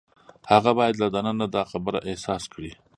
هغه باید له دننه دا خبره احساس کړي.